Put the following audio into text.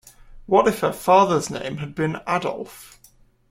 What if her father's name had been Adolf?